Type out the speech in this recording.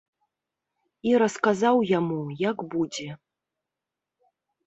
І расказаў яму, як будзе.